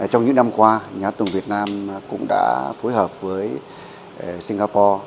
trong những năm qua nhà hát tùng việt nam cũng đã phối hợp với singapore